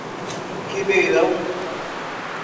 Ribeirão